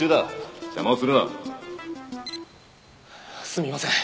すみません。